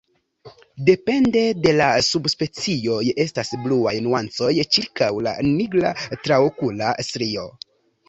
Depende de la subspecioj estas bluaj nuancoj ĉirkaŭ la nigra traokula strio.